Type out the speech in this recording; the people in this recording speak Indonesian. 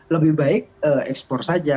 lebih baik ekspor saja